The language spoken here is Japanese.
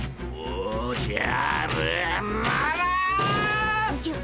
おじゃ。